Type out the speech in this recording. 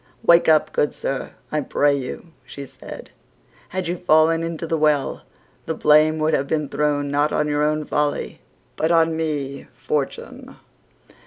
"Wake up, good sir, I pray you," she said; "had you fallen into the well, the blame would have been thrown not on your own folly but on me, Fortune."